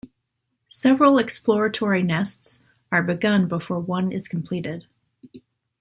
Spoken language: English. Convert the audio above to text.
Several exploratory nests are begun before one is completed.